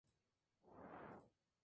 Además, sirvió como pastor bautista.